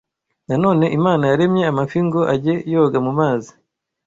Nanone Imana yaremye amafi ngo ajye yoga mu mazi